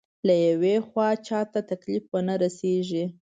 له يوې خوا چاته تکليف ونه رسېږي.